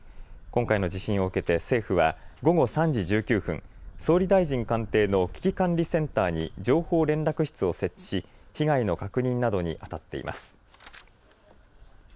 今回の地震を受けて政府は午後３時１９分、総理大臣官邸の危機管理センターに情報連絡室を設置し被害の確認などにあたっています。